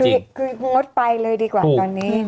คือโมสไปเลยดีกว่าก่อนนี้